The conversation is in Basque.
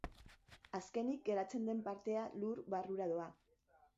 Azkenik, geratzen den partea lur barrura doa.